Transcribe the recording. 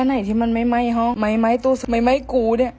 ไหนที่มันไม่ไหม้ห้องไหม้ตู้ทำไมไหม้กูเนี่ย